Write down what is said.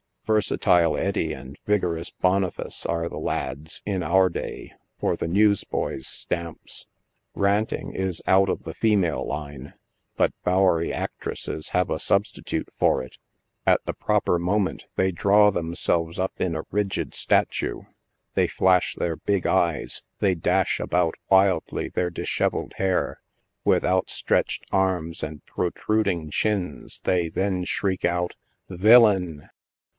Versatile Eddy and vigorous Boniface are the lads, in our day, for the news boy's stamps. Ranting is out of* the female line, but Bowery actresses have a substitute for it. At the proper moment they draw themselves up in a rigid statue, they flash their big eyes, they dash about wildly their dishevelled hair, with out stretched arms and protruding chins they then shriek out V i 1 l a i n